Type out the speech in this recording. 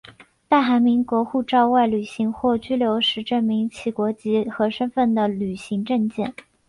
大韩民国护照外旅行或居留时证明其国籍和身份的旅行证件。